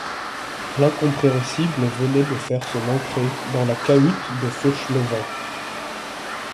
L’incompréhensible venait de faire son entrée dans la cahute de Fauchelevent.